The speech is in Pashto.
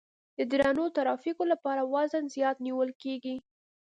د درنو ترافیکو لپاره وزن زیات نیول کیږي